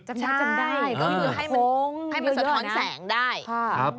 ใช่ก็คือให้มันสะท้อนแสงได้